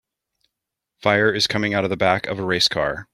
Fire is coming out of the back of a race car.